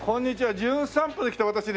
『じゅん散歩』で来た私ね